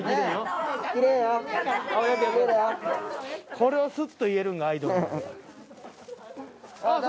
これをスッと言えるんがアイドル。